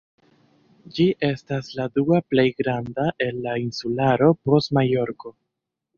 Ĝi estas la dua plej granda el la insularo post Majorko.